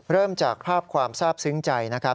เริ่มจากภาพความทราบซึ้งใจนะครับ